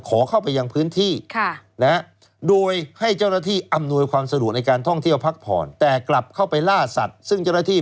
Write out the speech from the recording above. ขอเข้าไปยังพื้นที่